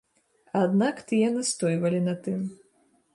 Аднак тыя настойвалі на тым.